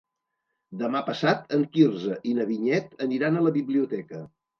Demà passat en Quirze i na Vinyet aniran a la biblioteca.